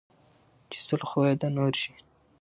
ـ چې سل خويه د نور شي